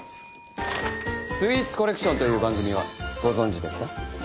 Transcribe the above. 『スイーツコレクション』という番組はご存じですか？